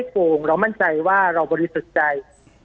ปากกับภาคภูมิ